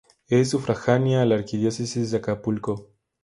Es sufragánea a la Arquidiócesis de Acapulco.